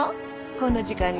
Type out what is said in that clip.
こんな時間に。